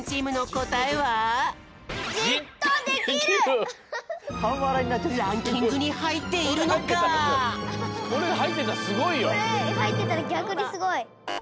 これはいってたらぎゃくにすごい。